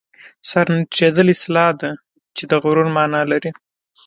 سر نه ټیټېدل اصطلاح ده چې د غرور مانا لري